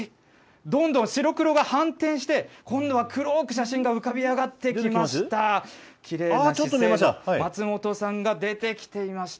どんどん白黒が反転して、今度は黒く写真が浮かび上がってきましちょっと見えました。